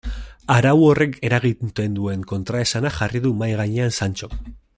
Arau horrek eragiten duen kontraesana jarri du mahai gainean Santxok.